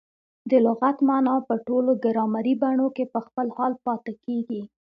د لغت مانا په ټولو ګرامري بڼو کښي په خپل حال پاته کیږي.